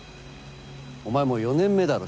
お前もう４年目だろ？